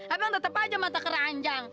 abang tetap aja mata keranjang